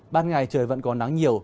ban ngày trời vẫn còn nắng nhiều